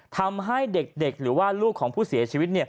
ทำให้เด็กหรือว่าลูกของผู้เสียชีวิต